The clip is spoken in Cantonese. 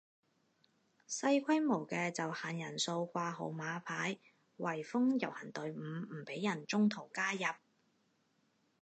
細規模嘅就限人數掛號碼牌圍封遊行隊伍唔俾人中途加入